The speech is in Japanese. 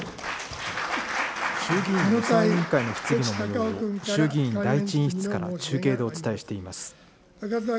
衆議院予算委員会の質疑のもようを、衆議院第１委員室から中継でお伝えしています。